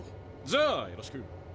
じゃあよろしく。